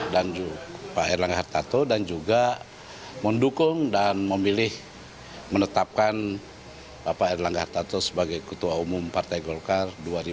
dan juga pak erlangga hartato dan juga mendukung dan memilih menetapkan pak erlangga hartato sebagai ketua umum partai golkar dua ribu sembilan belas dua ribu dua puluh empat